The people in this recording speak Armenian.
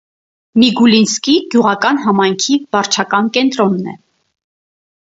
Միգուլինսկի գյուղական համայնքի վարչական կենտրոնն է։